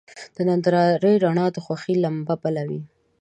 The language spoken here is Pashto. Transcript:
د نندارې رڼا د خوښۍ لمبه بله وي.